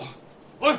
おい！